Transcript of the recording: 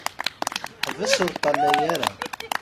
Ḥbes ur ṭṭalaya ara!